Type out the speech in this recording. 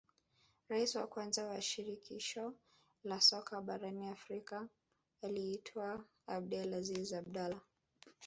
rais wa kwanza wa shirikisho la soka barani afrika aliitwa abdel aziz abdalah